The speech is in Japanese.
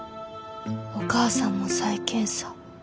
お母さんも再検査。